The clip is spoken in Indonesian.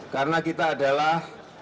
karena kita adalah